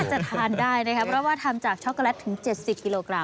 จะทานได้นะครับเพราะว่าทำจากช็อกโกแลตถึง๗๐กิโลกรั